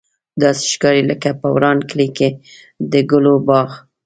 داسې ښکاري لکه په وران کلي کې د ګلو باغ.